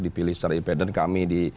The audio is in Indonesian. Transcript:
dipilih secara independen kami di